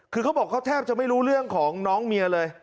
คือเขาบอกเขาแทบจะไม่รู้เรื่องของน้องเมียเลย